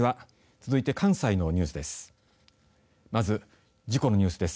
続いて関西のニュースです。